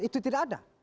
itu tidak ada